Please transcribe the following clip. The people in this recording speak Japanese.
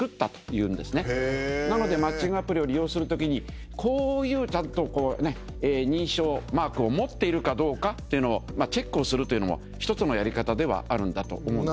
なのでマッチングアプリを利用するときにこういうちゃんと認証マークを持っているかどうかというのをチェックをするというのも１つのやり方ではあるんだと思う。